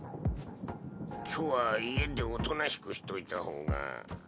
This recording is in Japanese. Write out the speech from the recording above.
今日は家でおとなしくしといた方が。